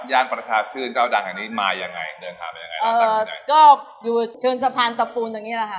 ย่านประชาชื่นเจ้าดังแห่งนี้มายังไงเดินทางมายังไงบ้างที่ไหนก็อยู่เชิงสะพานตะปูนตรงนี้แหละค่ะ